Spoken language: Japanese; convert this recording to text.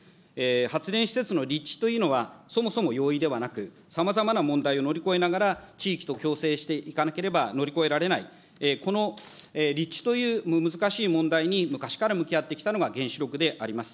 発電施設の立地というのは、そもそも容易ではなく、さまざまな問題を乗り越えながら、地域と共生していかなければ乗り越えられない、この立地という難しい問題に昔から向き合ってきたのが原子力であります。